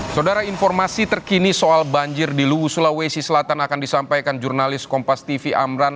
saudara informasi terkini soal banjir di luwu sulawesi selatan akan disampaikan jurnalis kompas tv amran